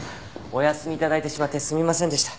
お休み頂いてしまってすみませんでした。